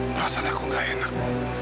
perasaan aku gak enak